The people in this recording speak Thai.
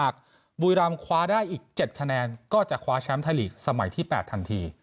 บุรีรำคว้าได้อีก๗คะแนนก็จะคว้าแชมป์ไทยลีกสมัยที่๘ทันที